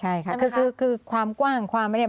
ใช่ค่ะคือความกว้างความไม่ได้